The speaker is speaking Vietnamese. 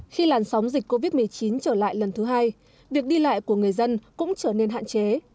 khi làn sóng dịch covid một mươi chín trở lại lần thứ hai việc đi lại của người dân cũng trở nên hạn chế